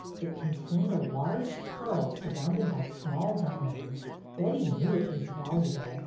It contained a large pearl surrounded by small dia monds. Betty knew it was valuable.